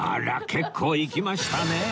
結構いきましたねえ